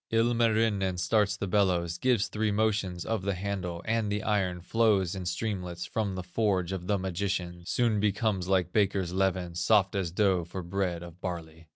Ilmarinen starts the bellows, Gives three motions of the handle, And the iron flows in streamlets From the forge of the magician, Soon becomes like baker's leaven, Soft as dough for bread of barley.